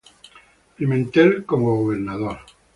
Pimentel como gobernador